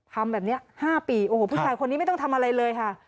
ทำแบบนี้๕ปีโอ้โหผู้ชายคนนี้ไม่ต้องทำอะไรเลยค่ะ